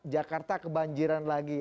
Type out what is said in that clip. jakarta kebanjiran lagi